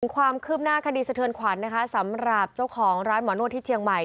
ความคืบหน้าคดีสะเทือนขวัญนะคะสำหรับเจ้าของร้านหมอนวดที่เชียงใหม่